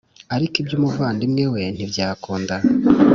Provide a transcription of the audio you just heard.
ariko iby umuvandimwe we ntibyakunda